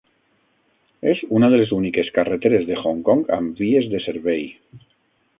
És una de les úniques carreteres de Hong Kong amb vies de servei.